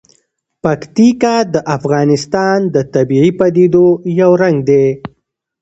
پکتیکا د افغانستان د طبیعي پدیدو یو رنګ دی.